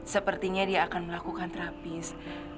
sepertinya dia akan melakukan terapis